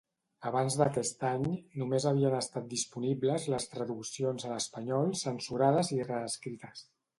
Abans d'aquest any, només havien estat disponibles les traduccions a l'espanyol censurades i reescrites.